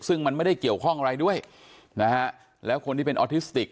ซึ่งมันไม่ได้เกี่ยวข้องอะไรด้วยนะฮะแล้วคนที่เป็นออทิสติก